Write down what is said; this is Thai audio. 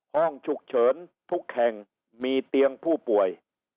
ห้องฉุกเฉินทุกแห่งมีเตียงผู้ป่วย